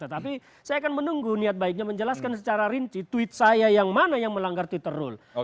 tetapi saya akan menunggu niat baiknya menjelaskan secara rinci tweet saya yang mana yang melanggar twitter rule